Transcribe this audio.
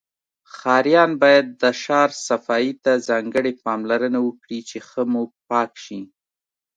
ښاریان باید د شار صفایی ته ځانګړی پاملرنه وکړی چی ښه موپاک شی